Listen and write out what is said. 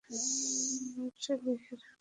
Note লিখে রাখব?